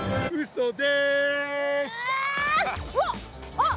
あっ！